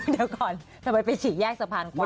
เดี๋ยวก่อนทำไมไปฉีกแยกสะพานควาย